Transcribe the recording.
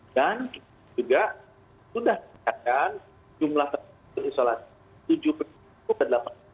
dan juga sudah dikatakan jumlah tempat penyusul di seluruh indonesia